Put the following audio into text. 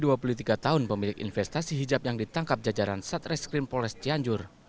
dua puluh tiga tahun pemilik investasi hijab yang ditangkap jajaran satreskrim polres cianjur